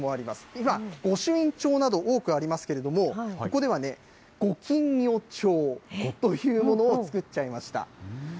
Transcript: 今、御朱印帳など多くありますけれども、ここでは御金魚帖というのを作っちゃいました。